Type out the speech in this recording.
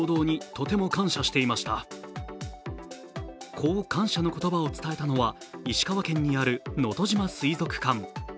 こう感謝の言葉を伝えたのは、石川県にある、のとじま水族館。